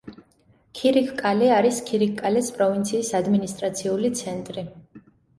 ქირიქკალე არის ქირიქკალეს პროვინციის ადმინისტრაციული ცენტრი.